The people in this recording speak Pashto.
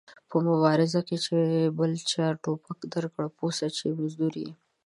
په مبارزه کې چې بل چا ټوپک درکړ پوه سه چې مزدور ېې